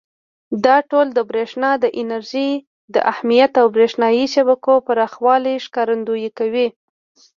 دا ټول د برېښنا د انرژۍ د اهمیت او برېښنایي شبکو پراخوالي ښکارندويي کوي.